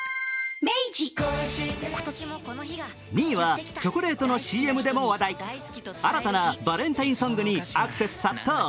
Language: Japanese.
２位はチョコレートのＣＭでも話題新たなバレンタインソングにアクセス殺到。